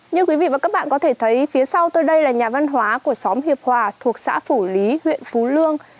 như quý vị và các bạn có thể thấy phía sau tôi đây là nhà văn hóa của xóm hiệp hòa thuộc xã phủ lý huyện phú lương